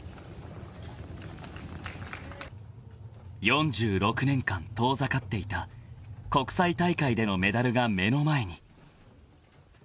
［４６年間遠ざかっていた国際大会でのメダルが目の前に］